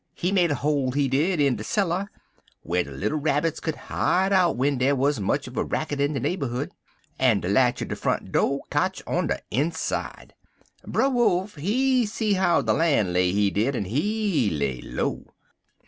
He made a hole, he did, in de cellar whar de little Rabbits could hide out w'en dar wuz much uv a racket in de neighborhood, en de latch er de front do' kotch on de inside. Brer Wolf, he see how de lan' lay, he did, en he lay low.